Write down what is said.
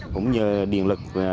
cũng nhờ điện lực